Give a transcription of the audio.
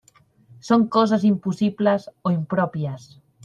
Són coses impossibles, o impròpies.